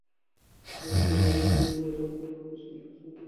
কপিলের প্রতি উপযুক্ত সম্মান প্রদর্শন করা জগতের সকল দার্শনিকেরই উচিত।